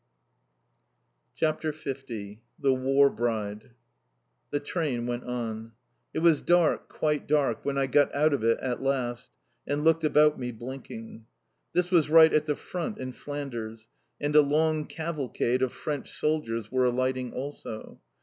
CHAPTER L THE WAR BRIDE The train went on. It was dark, quite dark, when I got out of it ac last, and looked about me blinking. This was right at the Front in Flanders, and a long cavalcade of French soldiers were alighting also.